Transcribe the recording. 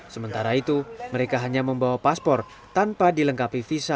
sementara itu mereka hanya membawa paspor tanpa dilengkapi visa